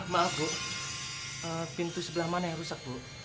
maaf bu pintu sebelah mana yang rusak bu